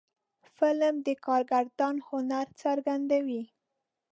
فلم د کارگردان هنر څرګندوي